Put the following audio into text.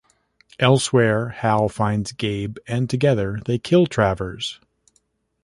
Elsewhere Hal finds Gabe, and together they kill Travers.